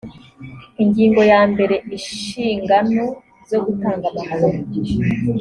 ingingo ya mbere inshingano zo gutanga amakuru